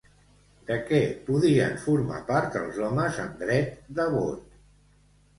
De què podien formar part els homes amb dret de vot?